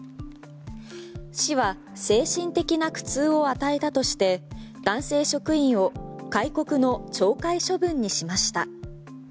市は精神的な苦痛を与えたとして男性職員を戒告の懲戒処分にしました。